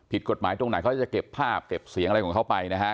ผิดกฎหมายตรงไหนเขาจะเก็บภาพเก็บเสียงอะไรของเขาไปนะฮะ